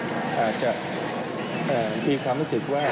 อาจจะมีความรู้สึกว่า